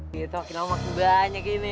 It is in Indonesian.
gitu makin lama makin banyak ini